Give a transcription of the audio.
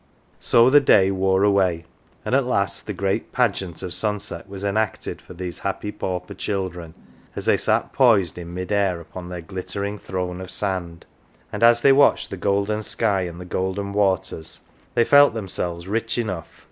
So the day wore away, and at last the great pageant of sunset was enacted for these happy pauper children as they sat poised in mid air upon their glittering throne of sand; and as they watched the golden sky and the golden waters, they felt themselves rich enough.